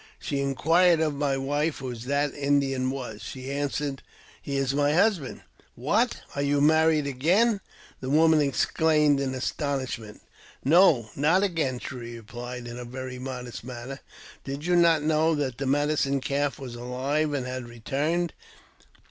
She inquired of my wife who that Indian was. She answered, " He is my husband." "What! are you married again?" she exclaimed, in as "No, not again," she replied, in her very modest manner; " did you not know that the Medicine Calf was alive and had returned?"